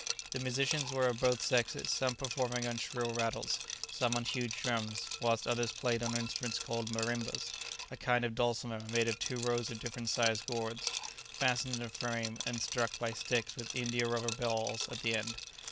The musicians were of both sexes, some performing on shrill rattles, some on huge drums, whilst others played on instruments called marimbas, a kind of dulcimer made of two rows of different sized gourds fastened in a frame, and struck by sticks with india rubber balls at the end.